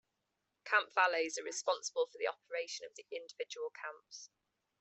Camp valets are responsible for the operation of the individual camps.